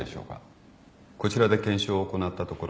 こちらで検証を行ったところ